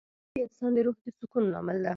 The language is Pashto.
آرامي د انسان د روح د سکون لامل ده.